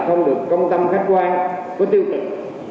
không được công tâm khách quan có tiêu cực